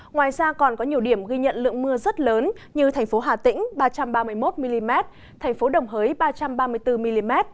ngoài ra còn có nhiều điểm ghi nhận lượng mưa rất lớn như thành phố hà tĩnh ba trăm ba mươi một mm thành phố đồng hới ba trăm ba mươi bốn mm